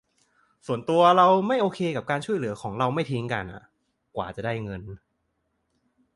ส่วนตัวเราไม่ค่อยโอเคกับการช่วยเหลือของเราไม่ทิ้งกันอ่ะ กว่าจะได้เงิน